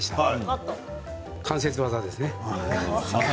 関節技ですね。